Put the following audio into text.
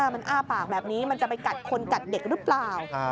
มันอ้าปากแบบนี้มันจะไปกัดคนกัดเด็กหรือเปล่า